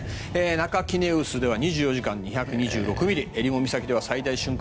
中杵臼では２４時間で２２６ミリえりも岬では最大瞬間